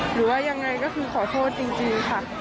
หรือว่ายังไงก็คือขอโทษจริงค่ะ